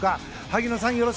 萩野さん